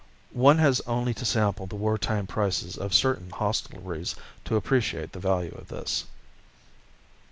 One has only to sample the war time prices of certain hostelries to appreciate the value of this.